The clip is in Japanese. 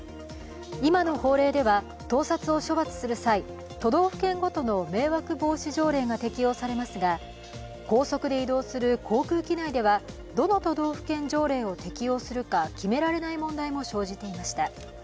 今の法令では盗撮を処罰する際、都道府県ごとの迷惑防止条例が適用されますが高速で移動する航空機内では、どの都道府県条例を適用するか決められない問題も生じていました。